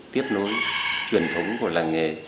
tiếp nối truyền thống của làng nghề